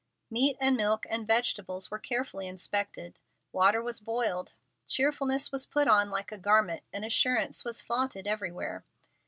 Meat and milk and vegetables were carefully inspected. Water was boiled. Cheerfulness was put on like a garment, and assurance was flaunted everywhere.